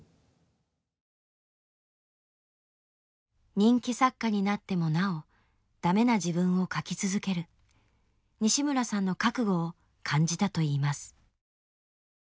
人気作家になってもなおダメな自分を書き続ける西村さんの覚悟を感じたといいます。